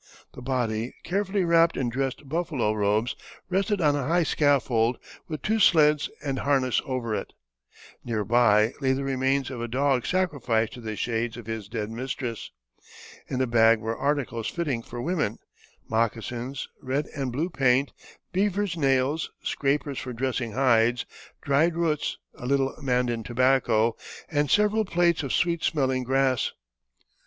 The body, carefully wrapped in dressed buffalo robes, rested on a high scaffold, with two sleds and harness over it. Nearby lay the remains of a dog sacrificed to the shades of his dead mistress. In a bag were articles fitting for women moccasins, red and blue paint, beavers' nails, scrapers for dressing hides, dried roots, a little Mandan tobacco, and several plaits of sweet smelling grass.